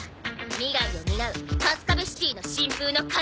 未来を担うカスカベシティの新風のカザマ。